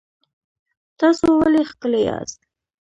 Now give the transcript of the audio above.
تاسو ولې ښکلي یاست؟